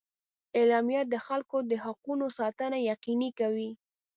اعلامیه د خلکو د حقونو ساتنه یقیني کوي.